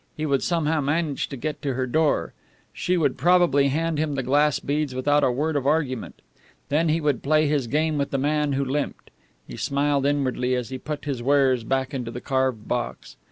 He would somehow manage to get to her door. She would probably hand him the glass beads without a word of argument. Then he would play his game with the man who limped. He smiled inwardly as he put his wares back into the carved box.